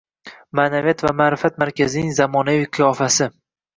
Ma’naviyat va ma’rifat markazining zamonaviy qiyofasi